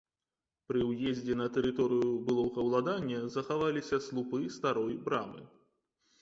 Пры ўездзе на тэрыторыю былога ўладання захаваліся слупы старой брамы.